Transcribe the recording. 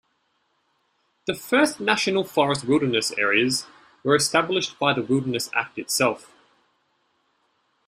The first national forest wilderness areas were established by the Wilderness Act itself.